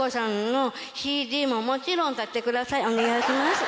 お願いします。